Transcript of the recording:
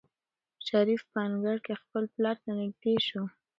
شریف په انګړ کې خپل پلار ته نږدې شو.